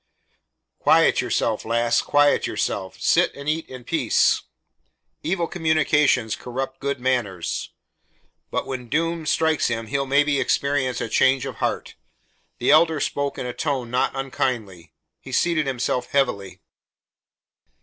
"Quiet yourself, lass, quiet yourself. Sit and eat in peace. 'Evil communications corrupt good manners,' but when doom strikes him, he'll maybe experience a change of heart." The Elder spoke in a tone not unkindly. He seated himself heavily.